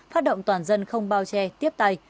phát động toàn dân không bao che tiếp tay